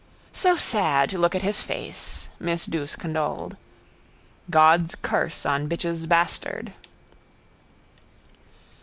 —So sad to look at his face, miss Douce condoled. God's curse on bitch's bastard.